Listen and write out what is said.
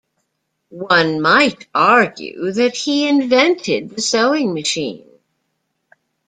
One might argue that he invented the sewing machine.